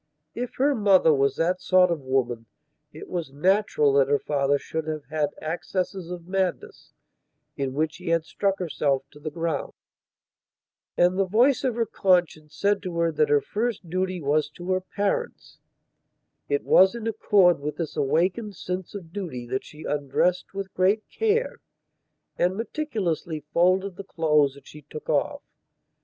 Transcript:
If her mother was that sort of woman it was natural that her father should have had accesses of madness in which he had struck herself to the ground. And the voice of her conscience said to her that her first duty was to her parents. It was in accord with this awakened sense of duty that she undressed with great care and meticulously folded the clothes that she took off.